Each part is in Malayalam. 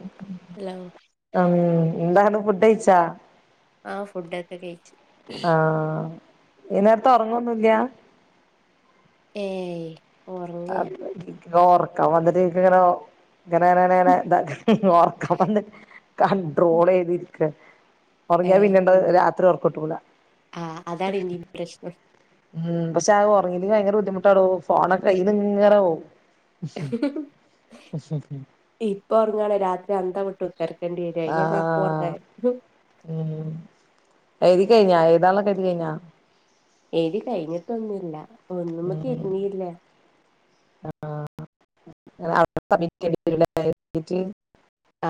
ഉ [inaudible] ഹലോ ഉം എന്താണ് ഫുഡഴിച്ചോ ആ ഫുഡൊക്കെ കഴിച്ചു ആഹ് ഈ നേരത്ത് ഒറങ്ങൊന്നുംല്ല്യ ഏയ് ഉറങ്ങേ അ എൻക്കി ഓർക്കം വന്നിട്ട്നിക്ക് ഇങ്ങനെ ഓ ഇങ്ങനെനെനെനെ ന്താ ഒർക്കം വന്ന് കണ്ട്രോൾ ചെയ്തിരിക്ക ഏ ഉറങ്ങിയാ പിന്നണ്ടത് രാത്രി ഉറക്ക്ട്ടൂല ആ അതാണ് ഇന്റിം പ്രശ്നം ഉം പക്ഷെ അ ഉറങ്ങീല്ല്യങ്കി ഭയങ്കര ബുദ്ധിമുട്ടാടോ ഫോണൊക്കെ കൈയ്യിന്നിങ്ങനെ പോവും ഇപ്പൊ ഉറങ്ങാണെ രാത്രി അന്തം വിട്ടു ചെറക്കണ്ടി വര ആഹ് അതിനെല്ലാംറ [unintelligible] ഉം എഴുതി കഴിഞ്ഞാ എഴുതാനുള്ളക്കെ എഴുതി കഴിഞ്ഞാ എഴുതി കഴിഞ്ഞിട്ടൊന്നുല്ല ഒന്നുമക്ക് ഇരുന്നീല്ല ആ സബ്മിറ്റ്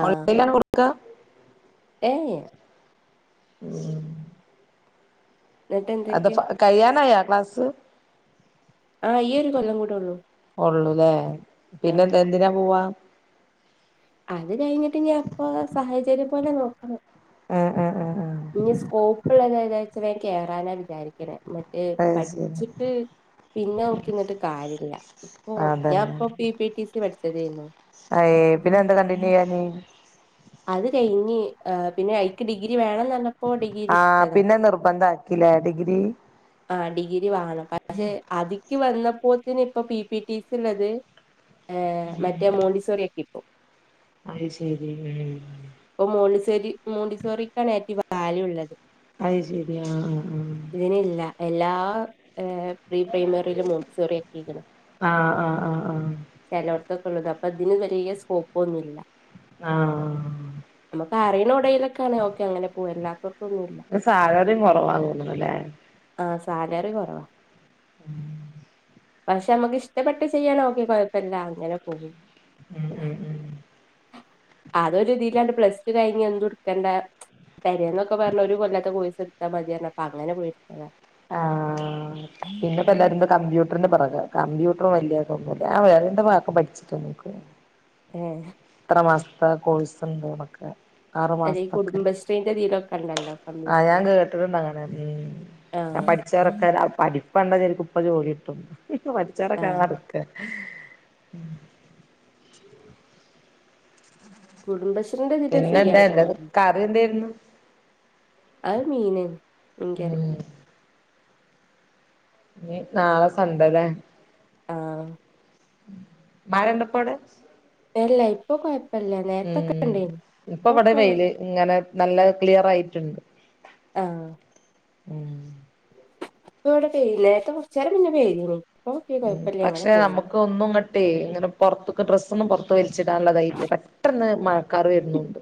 ആ ഓൺലൈലാണോ കൊടുക്കാ? ഏ ഏ ഉം എന്നിട്ട് അത് എന്തൊക്കെ പ കഴിയാനായാ ക്ലാസ്? ആ ഈ ഒരു കൊല്ലം കൂടേ ഉള്ളൂ ഉള്ളുലേ? ആ പിന്നെ എന്ത് എന്തിനാ പോവാ? അത് കഴിഞ്ഞിട്ട് ഞാൻ അപ്പൊ സാഹചര്യം പോലെ നോക്കണം. ആഹ് ആഹ് ഇനി സ്കോപ്പുള്ളത് ഏതാച്ചാൽ അയിന് കേറാനാ വിചാരിക്ക്ന്നെ ഏ അത് ശരി പഠിച്ചിട്ട് പിന്നെ നോക്കിനിന്നിട്ട് കാര്യല്ല, ഇപ്പൊ ഞാൻ അതന്നെ ഇപ്പം പി പി ടി സി പഠിച്ചതേന്നു അയ്, പിന്നെ എന്താ കണ്ടിന്യൂ ചെയ്യാഞ്ഞേ? അത് കഴിഞ്ഞ് ഏ പിന്നെ അയിക്ക് ഡിഗ്രി വേണംന്ന് പറഞ്ഞപ്പോ ആഹ പിന്നെ നിർബന്ധക്കിലെ ഡിഗ്രി ആ ഡിഗ്രി വേണം പക്ഷേ അതിക്ക് വന്നപ്പോത്തിന് ഇപ്പൊ പി പി ടി സി ഉള്ളത് ഏ മറ്റേ മോണ്ടിസോറി ഒക്കെ അത് ശരി മ്മ് ഇപ്പം മോണ്ടിസോരി, മോണ്ടിസോറിക്കാണ് ഏറ്റവും വാല്യൂ ഉള്ളത് അത് ശരി ആ ആ ആ ഇതിനില്ല. എല്ലാ ഏഹ പ്രീ പ്രൈമറിയിലും മോണ്ടിസോറി ആക്കീക്ക്ണ് ആഹ് ആഹ് ആഹ് ആഹ് ചെലോട്ത്തൊക്കെ ഉള്ളത് അപ്പൊ ഇതിന് വലിയ സ്കോപ്പൊന്നുല്ല ആഹ് നമുക്ക് അറിയണ എവിടേലും ക്കെ ആണേ ഓക്കെ അങ്ങനെ പോവും അല്ലാത്തോട്ത്തൊന്നുല്ല ഇപ്പം സാലറിയും കുറവാണെന്ന് തോന്ന്ണ് ല്ലേ? ആ സാലറി കുറവാ. ഉം [inaudible] പക്ഷെ നമ്മുക്ക് ഇഷ്ടപ്പെട്ട് ചെയ്യണേ ഓകെ കുഴപ്പമില്ല, അങ്ങനെ പോകും. ഉം ആ ഉം ഉം [unintelligible] അതൊരു ഇതിൽ ആയോണ്ട് പ്ലസ് ടു കഴിഞ്ഞ എന്ത എടുക്കേണ്ട, പേരെന്നൊക്കെ പറഞ്ഞു ഒരു കൊല്ലത്ത കോഴ്സ് എട ത്ത മത്യർന്നു അപ്പ അങ്ങനെ പോയി എടുത്തത.. ആ പിന്നെ ഇപ്പ എല്ലാരും കമ്പ്യൂട്ട [unintelligible] കമ്പ്യൂട്ടർ വല്യയിട്ട് ഒന്നുല്യ ആ രണ്ട് വാക് പഠിച്ചിട്ട് നിക്ക. ഏ എത്ര മാസത്തെ കോഴ്സണ്ട് ന്നോക്കെ ആറു അല്ല ഈ മാസത്തൊക്കെ, കുടുംബശ്രീന്റെ ഇതിലൊക്കെ ഇണ്ടല്ലോ ആ കമ്പ്യൂട്ടർ ഞാൻ കേട്ട്കണ്ട് അങ്ങനെ എം പം ആഹ് പഠിച്ചവരൊക്കെ [unintelligible] പഠിപ്പ് കണ്ട വിചാരിക്കും ഇപ്പ ജോലി കിട്ടുംന്ന്, ഹി ഹി പഠിച്ചോരൊക്കെ അങ്ങനെ ആഹ് നിക്ക ഹേ എം കുടുംബശ്രീൻ്റെ ഇതിൽക്ക് പിന്നെന്താ ഫ്രീയാണ് എന്താ തോന്നുന്നു കറി എന്തായിരുന്നു [unintelligible] [inaudible] ഉം ഞി നാളെ സൺഡേ ലേ? ആ മഴണ്ടാ ഇപ്പൊ അടെ? ഇല്ല ഇപ്പൊ കൊഴപ്പില്ല നേരത്തൊക്കെ ഉം ഉണ്ടേനി ഇപ്പൊ ഇവിടെ ഇപ്പൊകേ വെയില് ഇങ്ങനെ നല്ല ക്ലിയർ ആയിറ്റ്ണ്ട്. ആ ഉം ഇപ്പൊ ഇവിടെ പെയ്യുന്നില്ല നേരത്തെ കോർച്ചേരം മുന്നേ പെയ്തിരുന്നു മ് പക്ഷെ നമുക്ക് ഒന്നും ഇങ്ങട്ട് [inaudible] ഇങ്ങനെ പുറത്തൊക്കെ ഡ്രസ്സൊന്നും പുറത്ത് വലിച്ചിടാനുള്ളധൈര്യല്ല, പെട്ടെന്ന് മഴക്കാർ വരുന്നുണ്ട്.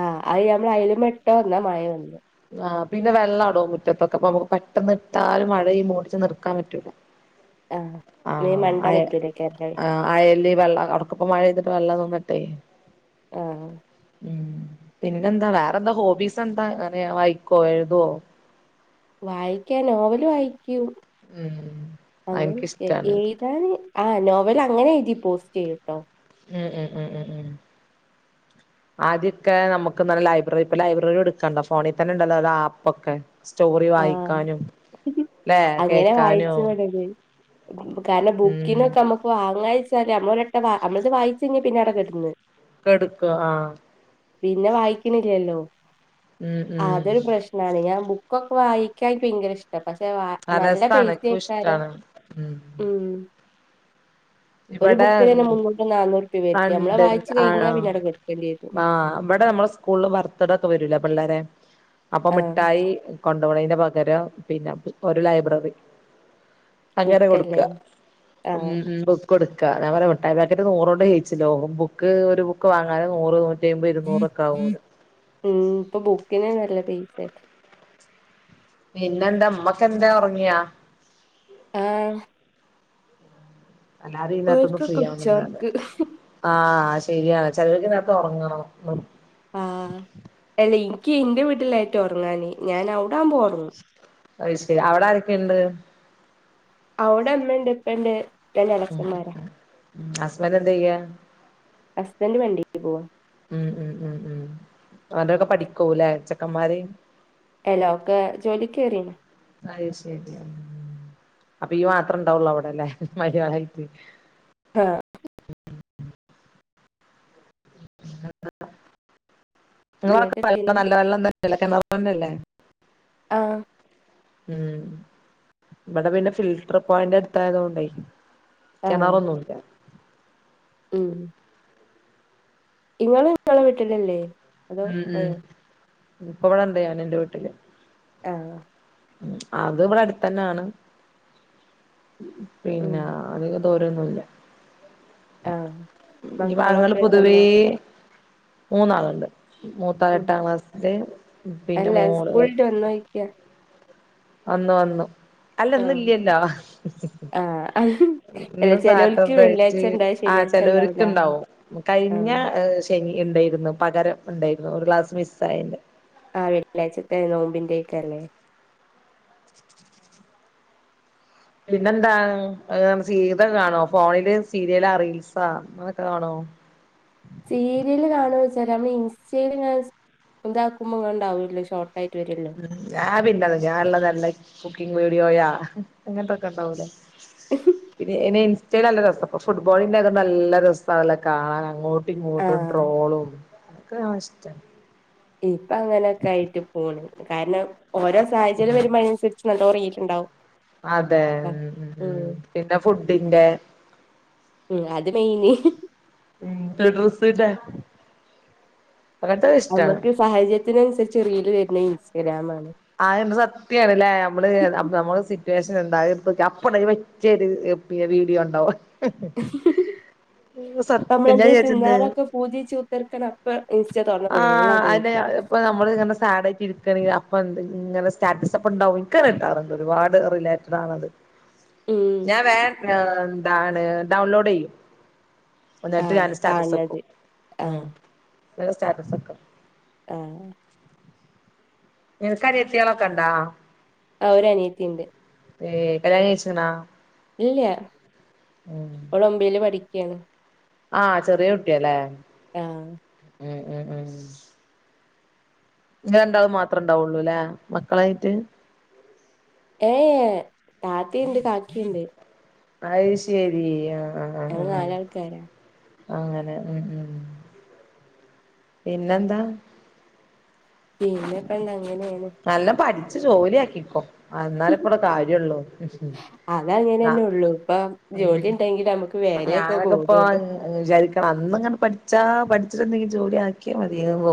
ആഹ് അത് ഞമ്മള് അയിൽമെട്ട് വന്നാ മഴ വന്നു ആഹ് പിന്നെ വെള്ളടോ മുറ്റത്തൊക്കെ അപ്പൊ നമുക്ക് പെട്ടെന്ന് ഇട്ടാലും മഴവന്ന ഓടിച്ചെന്ന് എടുക്കാൻ പറ്റൂല ആ നീ മണ്ടാ പറ്റൂലയിക്കരം ലെ ആഴല്ല വെള്ള അടക്കപ്പം മഴെയ്തിട്ട് വെള്ളം തോന്നിട്ടെ ആ ഉം പിന്നെന്താ വേറെന്താ ഹോബീസ് എന്താ അങ്ങനെയ വായിക്കോ എഴുതോ വായിക്കാ നോവല് വായിക്യും ഉം അ എനിക്കിഷ്ടാണ് ഞാൻ ആ നോവൽ അങ്ങനെ എഴുതി പോസ്റ്റെയൂട്ടോ. ഉം ഉം ഉം ഉം ഉം [inaudible] ആദ്യൊക്കെ നമുക്ക് എന്താന്ന് ലൈബ്രറി ഇപ്പൊ ലൈബ്രറി എടുക്കാണ്ട ഫോണിൽ തന്നെ ഉണ്ടല്ലോ അ ആപ്പ്ക്കെ സ്റ്റോറി ആഹ് വായിക്കാനും ല്ലെ അങ്ങനെ കേക്കാനോ വായിച്ചു പോണത് കാരണം ബുക്കിനൊക്കെ നമ്മുക്ക് വാങ്ങാച്ചാല് അമ്മളോരാട്ടം നമ്മളിത് വായിച്ചഞ്ഞ പിന്നെട കടന്ന് കെടുക്കും ആഹ പിന്നെ വായിക്കണില്ലല്ലോ ഉം ഉം അതൊരു പ്രശ്നം ആ ഞാൻ ബുക്കൊക്കെ വായിക്കാ ഇൻകി ഭയങ്കര ഇഷ്ട പക്ഷെ വ ആഹ് നല്ല രസാണ് പെയ്സി എനിക്കും അയിക്കാരം ഇഷ്ടാണ് ഉം ഉ ഇവിടെ തന്നെ ഉം മുന്നൂറ് നാന്നൂറ് റുപ്യ വരും നമ്മളെ വായിച്ചു [unintelligible] കഴിഞ്ഞാ പിന്നെ അവിടെ കെടുക്കേണ്ടി വരും ആ ഇവിടെ നമ്മൾ സ്കൂളില് വറത്തടൊക്കെ വരൂല പിള്ളേരെ അപ്പൊ ആഹ് മിഠായി കൊണ്ടോണിന്റെ പകരം പിന്നെ ഒരു ലൈബ്രറി അങ്ങനെ കൊടുക്ക ബുക്കല്ലേ ആഹ് ഉ കൊടുക്കാ ഞാൻ പറ മുട്ടയി പാക്കറ്റ് നൂറെണ്ണം ചെയ്യിച്ചിന്ടവും ബുക്ക് ഒരു ബുക്ക് വാങ്ങാനൻ നൂറ് നൂറ്റയിംബെ ഇരുന്നൂറൊക്കെ ആകുലൊ. ഉം ഇപ്പൊ ബുക്കിനെന്നെ നല്ല പൈസ പിന്നെ എന്താ അമ്മക്ക് എന്താ ഉറങ്ങിയാ ആ അല്ലാരു ഈ നേരത്തൊന്നും ഓര്ക്കൊക്കെ ഫ്രീയാവുന്നാണ് ഉച്ചോർക്ക് ആഹ ശരിയാണ് ചേലോര്ക്കീ നേരത്ത് ഉറങ്ങണം ആ എല്ല ന്ക്ക് ന്റെ വീട്ടിലായിട്ടാ ഉറങ്ങാനേ ഞാൻ അവിടാ ആവുമ്പോ ഉറങ്ങും അത് ശരി അവിട ആരക്കെണ്ട് അവിടെ മ്മണ്ട് ഇപ്പണ്ട് പിന്നെ ഉം എളച്ചന്മാരാ ഉം ഹസ്ബൻഡ് എന്തെയ്യാ ഹസ്ബൻഡ് വണ്ടിക്ക് പോവാ ഉം ഉം ഉ ഉ അവരോക്കെ പഠിക്കവുലേ ചെക്കന്മാര് എല്ലക്കെ ജോലി കേറീക്ക്‌ണ് അത് ശരി അപ്പൊയ് മാത്ര ണ്ടാവുള്ളൂ അവ്ടെല്ലേ മര്യോളായിട്ട് ആഹ നിങ്ങളൊക്കെ എന്നിട്ട് പൈപ്പ് പിന്നെ നല്ല വെള്ളം തന്നല്ലേ കിണർന്നനല്ലേ ആ ഉം ഇവിടെ പിന്നെ ഫിൽട്ട്ർ പോയന്റട്ത്തായോണ്ടേയ് ആഹ് കിണറോന്നുല്ല ഉം ഇങ്ങള് ങ്ങളെ വിട്ടിലല്ലേ ഉം ഉം ഇപ്പൊ ഇബടെണ്ട് ഞാന് ന്റെ വീട്ടില് ആഹ ഉം അത് ഇവിടെ അടുത്തനാണ് ഉം പിന്നെ അധിക ദൂരൊന്നുല്ല ആഹ് ഈ ഭാഗങ്ങൾ മക്കളൊക്കെ പൊതുവേ വന്നോ മൂന്നാളുണ്ട് മൂത്തത് ഉം എട്ടാം ക്ലാസില് പിന്നെ മോള് യ്യ വന്നു വന്നു അല്ല ന്ന് ആഹ് ഇല്ലല്ലോ ആഹ് അഹ് അല്ല ഇന്ന് ചെലോൽക്ക് സാറ്റർഡായിട്ട് വെള്ളിയാഴ്ച ഇണ്ടാവും ആ ശനിയാഴ്ച ഇണ്ടാവൂല ചെലോർക്ക് ണ്ടാവും കഴിഞ്ഞ ആഹ് ശനി ണ്ടയ്ര്നു പകര ണ്ടായ്ര്നു ഒരു ക്ലാസ്സ്‌ മിസ്സയെന്റെ ആ വെള്ളിയാഴ്ചത്തെ നോമ്പിന്റെയ്ക്കരല്ലേ പിന്നെന്താ സീരിയലൊക്കെ കാണോ ഫോണില് സീരിയലോ റീൽസോ അതൊക്കെ കാണോ സീരിയല് കാണോന്ന് വെച്ചല് നമ്മള് ഇൻസ്റ്റെലിങ്ങനെ സ്ക്രോൾ ന്താക്കുമ്പോങ്ങണ്ടാവല്ലോ ഷോട്ടായിട്ട് വെരുല്ലോ ഞാൻ പിന്നതാ ഞാനുള്ള നല്ല കുക്കിംഗ് വീഡിയോയ അങ്ങത്തെക്കെണ്ടാവൂലേ പിന്നെ ഇന ഇൻസ്റ്റെൽ നല്ല രസ അ പ്പൊ ഫുട്ബോളിന്റെ ഒക്കെ നല്ല രസാലെ കാണാൻ അങ്ങോട്ട് ഇങ്ങോട്ടും ആഹ് ട്രോളും ഇക്കതൊക്കെ ഇഷ്ടാണ് ഇപ്പൊ അങ്ങനെയൊക്കയിട്ട് പോണ് ണ്ട് കാരണം ഓരോ സാഹചര്യം ഉം വരുമ്പോ അതിനന്സര്ച്ച് നല്ലോ റീച്ച്ണ്ടാവും അതെ ഉം ഉം പിന്നെ ഫുഡിന്റെ ഉം അത് മെയിന് ഡ്രെസ്സിന്റെ നമ്മക്ക് സാഹചര്യത്തിനനുസരിച്ച് റീല് വരുന്നത് ഇൻസ്റ്റഗ്രാമാണ് ആന്നെ സത്യണ്ല്ലേ നമ്മള് നമ്മള് സിറ്റുവേഷൻ എന്ത അത് ഇട്ത്തൊക്കിയ അപ്പന്നെ ജോരു പിയെ ഒരു വീഡിയോ ണ്ടോ നമ്മളെന്തെ തിന്നാനൊക്കെ പൂതിവച്ച് കുത്തർക്കാണേ അപ്പൊ ഇൻസ്റ്റ തുറന്ന ഫുള്ള് അതെയ്രിക്കും ഇപ്പ നമ്മള് ഇങ്ങനെ സാഡ് ആയിട്ട് ഇരിക്ക എടീ അപ്പണ്ട് ഈ ഇങ്ങനെ സ്റ്റാറ്റസ്ക്കെ ണ്ടാവും ഇക്ക്‌ണ്ടാവാറുണ്ട് ഒരുപാട് റിലേറ്റഡ് ആണത് ഉം ഞാൻ വേം ഏ ന്താണ് ഡൗൺലോഡ് ചെയ്യും എന്നിട്ട് ആഹ് ഞൻ സ്റ്റാറ്റസ് കാൺണത് വക്കും ഉം ആഹ് സ്റ്റാറ്റസ് വക്കും ആ ങ്ങക്ക് അനിയത്തിയാളൊക്കണ്ടോ ആ ഒരനിയത്തിയുണ്ട് ഏ... കല്യാണം കഴിച്ചണാ? ഇല്ല്യാ ഉം അവള് ഒൻപീല് പഠിക്കയാണ് ആഹ് ചെറിയ കുട്ടിയല്ലേ യഹ് ഉം ഉം ഉം... ങ്ങള് രണ്ടാളും മാത്രം ഉണ്ടാവുള്ളു അല്ലേ മക്കളായിട്ട്? ഏഹ് താത്തിയുണ്ട് കാക്കീണ്ട് അയ് ശരി ആഹ് ആഹ് ആഹ് ങ്ങള് നാല് ആഹ് ആൾക്കാരാ അങ്ങനെ ഉം ഉം പിന്നെന്താ? പിന്നെക്കെ ന്താ അങ്ങനെയാണ് നല്ല പഠിച്ചു ജോലി ആക്കിക്കോ എന്നാലെ ഇപ്പടെ കാര്യള്ളൂ അത അങ്ങനെ തന്നെ ആഹ് ഉള്ളൂ ഇപ്പ ജോലി ഉണ്ടെങ്കിൽ നമുക്ക് വേലയൊക്കെ കൂടും പ്പ വിജാരിക്കണം അന്ന്ങ്ങനെ പഠിച്ചാ പഠിച്ചിട്ട്ന്തെങ്കിലും ജോലി ആക്കിയാ മതിയാരുന്ന്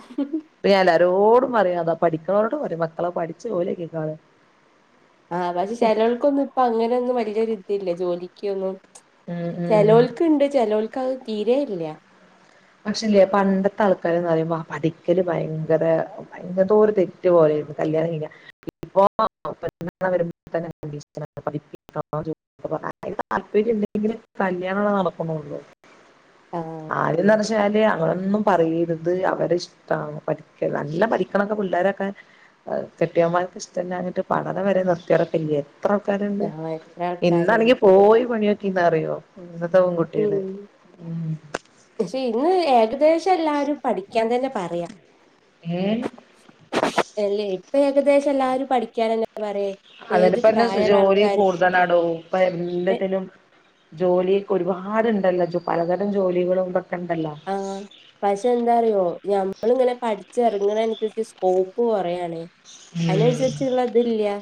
മ് ഹ് ഹ് പ്പ ഞാൻ എല്ലാരോടുംപറയും അതാ പഠിക്കുന്നവരോടും പറയും മക്കളെ പഠിച്ച് ജോലി ആക്കി കോളാന് ആഹ് പക്ഷെ ചെലവർക്കൊന്നും ഇപ്പൊ അങ്ങനെയൊന്നും വലിയൊരിതില്ല ജോലിക്കൊന്നും ഉം ഉം ചെലോൾക്ക് ണ്ട് ചിലോൾക്ക് അത് തീരെ ഇല്ല പക്ഷെല്ലേ പണ്ടത്തെ ആൾക്കാരന്ന് പറയുമ്പോ പഠിക്കല് ഭയങ്കരേ.. അ [unintelligible] തോര തെറ്റ് പോലെയ പ്പ കല്യാണം കഴിഞ്ഞ ഇപ്പോ വരുമ്പോ തന്നെ [inaudible] [inaudible] [unintelligible] താൽപര്യണ്ടെൻകിലേ കല്ല്യാണം നടത്തുണുള്ളൂ [unintelligible] ആഹ് ആ ന്നാല് അവരൊന്നും പറയരുത് അവരഷ്ടാണ് പഠിക്കൽ നല്ല പഠിക്കണൊക്കെ പിള്ളേരൊക്കെ - കെട്ടിയൊൻമാർക്കിഷ്ടല്ല്യഞിട്ടു പഠനം വരെ നിർത്തിയവരൊക്കെല്ലിയെ എത്രാൾക്കാര്ണ്ട് ആഹ് എത്ര ആൾക്കാര്ണ്ട് ഇന്നാണെങ്കി പോയി പണിയോക്കീന്ന് പറയും ഇന്നത്തെ പെണ്കു- ഉം പക്ഷെ ഇന്ന് ഏകദേശം എല്ലാരും പഠിക്കാൻ തന്നെ പറയാ ഏഹ് അല്ലേ ഇപ്പ ഏകദേശം എല്ലാരും പഠിക്കാനന്നെ പറയേ അതിന്റപ്പന്നെ ജോലി കൂടുതനാടോ ഇപ്പ എല്ലാത്തിലും ജോലിയൊക്കെ ഒരുപാടുണ്ടല്ലോ പലതരം ജോലികളും ഇതൊക്കണ്ടല്ലൊ ആഹ് പക്ഷെ എന്താറിയോ ഞമ്മളി പക്ഷേന്താറിയോ ഞമ്മളിങ്ങനെ പഠിച്ചിറങ്ങണനുസരിച്ച് സ്കോപ്പ് കുറയാണേ. അയിനനുസരിച്ച്ള്ളതില്യാ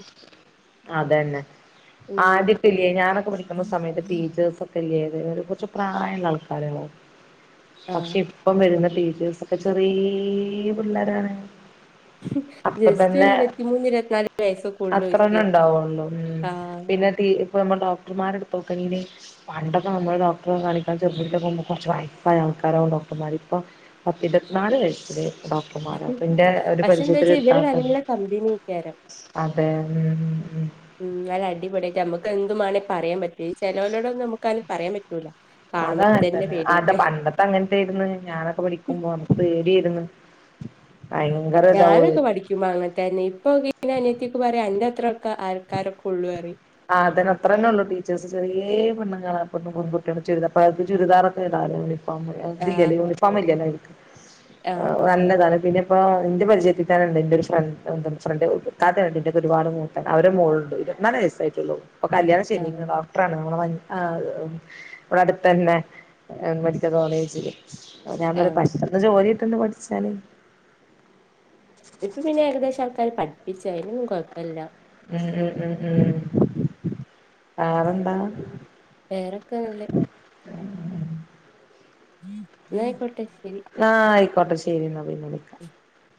അതെന്നെ ഉം ആദ്യക്കെല്ല്യെ ഞാനൊക്കെ പഠിക്കുന്ന സമയത്ത് ടീച്ചേഴ്സൊ- ത് ല്ല്യേ വേറെകുച്ച് പ്രായള്ള ആൾക്കാരാവും പക്ഷെ ആഹ് ഇപ്പം വരുന്ന ടീച്ചേഴ്സ- പ്പൊ ചെറീയ പിള്ളേരാണ് അപ്പൊ ജസ്റ്റ് തന്നെ ഇരുപത്തിമൂന്ന് ഇരുവത്തിനാല് വയസ്സൊക്കൊള്ളുവര് പ്പ ന്നെ ഉണ്ടാവുള്ളോ ഉം പിന്നെ തീ ഇപ്പ ള്ള ഡോക്ടർമാരെടുത്തോക്കീനി പണ്ടൊക്കെ നമ്മള് ഡോക്ടറെ കാണിക്കാൻ ചെല്ലുമ്പോ [unintelligible] കൊറച്ച്റപ്പായ ആൾക്കാരാവും ഡോക്ടർമാര് ഇപ്പോ പത്തിരുപത്തിനാല് വയസില് ഡോക് കുമാര പിന്റെ ഒരു പക്ഷെ എന്താ പരിചയത്തിലെ വെച്ചാ ഇവര് ത്താത്താന്നെ നല്ല കമ്പനിയേക്കാരം അതെ ഉം നല്ല അടിപൊളിയായിററമ്മക്ക് എന്തുമ്മാണെ പറയാംപറ്റും ചെലോലോടൊന്നുമ്മാ നമുക് പറയാൻ പറ്റൂല. കാണുമ്പോ തന്നെ അതാനടത്ത്ണ ആടെ പേടിയേക്കാ പണ്ടത്തെ അപ്പങ്ങനത്തായിര്ന്ന് ഞാനൊക്കെ പഠിക്കുമ്പോ നമ്മക്ക് പേടിയായിര്ന്ന് ഞാനൊക്കെ പഠിക്കുമ്പോ അങ്ങ എനിപ്പൊ നിന്റെ അനിയത്തിഒക്കെ പറയാ അന്റെ അത്രൊക്കെ ആൾക്കാരൊക്കുള്ളുഅറിയും. ആഹ് അതന്നെ അത്രന്നെ ഉള്ളു ടീച്ചേഴ്സ് ചെറീയേ പെണ്ണ്ങ്ങളാ ഇപ്പത്തെ പെൺകുട്ടികള് ചുരു അപ്പ അത് ചുരിദാറൊക്കെ ഇടാലോ ത് ല്ലലോ ആഹ് യൂണിഫോമിലെലോ അയ്ക്ക് നല്ലതാണ് പിന്നെപ്പോ ഇന്റെ പരിചയത്തിത്തന്നുണ്ട് ന്റെ ഒരു ഫ്ര എ ഫ്രണ്ട് താത്ത ഉണ്ട് രുപാട് മൂ അവരെ മോളുണ്ട് ഇരുപത്തിനാല് വയസ്സായിട്ടേ ഉള്ളു ഇപ്പൊ കല്ല്യാണം ആഹ് ശരിയായിക്ക് [unintelligible] വ്ടെ അട്ത്തെന്നെ മെഡിക്കൽ കോളേജില് ഞാൻ പറയാ ആഹ് പെട്ടെന്ന് ജോലികിട്ടുണ്ട് പഠിച്ചാല് ഇപ്പൊ പിന്നെ ഏകദേശം ആൾക്കാര് പഠിപ്പിച്ചും അയിനൊന്നും കൊയപ്പല്ല. ഉം ഉം ഉം ഉം വേറെന്താ പേറൊക്കെ നല്ല ന്നായിക്കോട്ടെ ശരി ആഹ് ആയിക്കോട്ടെ ശെരി ന്നാ പിന്നെ വിളിക്കാം [unintelligible]